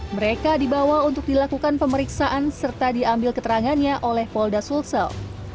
mereka dibawa untuk dilakukan pemeriksaan serta diambil keterangannya oleh polda sulsel